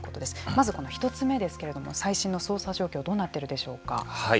まず、１つ目ですけれども最新の捜査状況はどうなっているでしょうか。